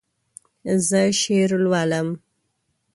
زه شعر لولم.